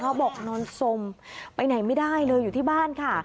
บอกนอนสมไปไหนไม่ได้เลยอยู่ที่บ้านค่ะ